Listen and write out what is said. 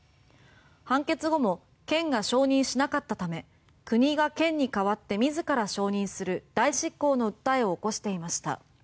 判決後も県が承認しなかったため国が県に代わって自ら承認する代執行の訴えを起こしていました。